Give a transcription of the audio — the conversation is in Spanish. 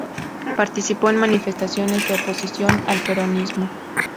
Participó en manifestaciones de oposición al peronismo.